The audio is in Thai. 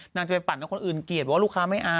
จะไปปั่นให้คนอื่นเกลียดว่าลูกค้าไม่อาย